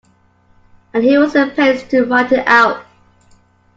And he was at pains to write it out.